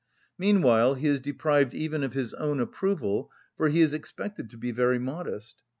Meanwhile he is deprived even of his own approval, for he is expected to be very modest.